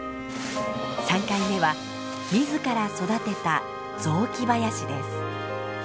３回目は自ら育てた雑木林です。